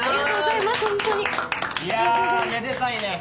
いやめでたいね。